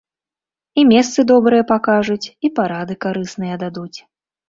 І месцы добрыя пакажуць, і парады карысныя дадуць.